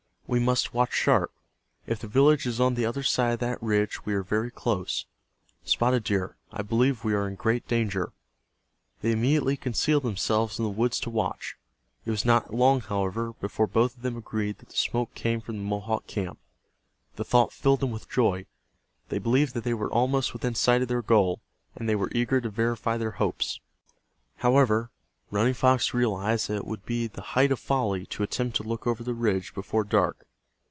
"We must watch sharp. If the village is on the other side of that ridge we are very close. Spotted Deer, I believe we are in great danger." They immediately concealed themselves in the woods to watch. It was not long, however, before both of them agreed that the smoke came from the Mohawk camp. The thought filled them with joy. They believed that they were almost within sight of their goal, and they were eager to verify their hopes. However, Running Fox realized that it would be the height of folly to attempt to look over the ridge before dark.